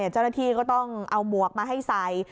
เจ้าหน้าที่ก็ต้องเอาหมวกมาให้ใส่